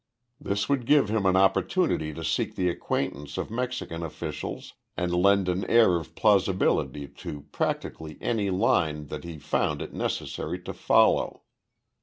This would give him an opportunity to seek the acquaintance of Mexican officials and lend an air of plausibility to practically any line that he found it necessary to follow.